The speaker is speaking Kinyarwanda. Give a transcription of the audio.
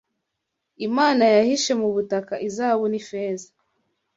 Imana yahishe mu butaka izahabu ifeza